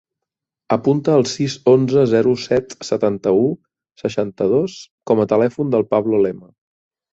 Apunta el sis, onze, zero, set, setanta-u, seixanta-dos com a telèfon del Pablo Lema.